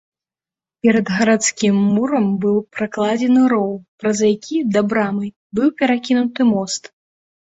Перад гарадскім мурам быў пракладзены роў, праз які да брамы быў перакінуты мост.